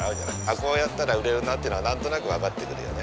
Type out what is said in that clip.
こうやったら売れるなっていうのは何となく分かってくるよね。